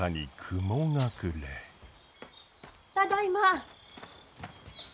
ただいま。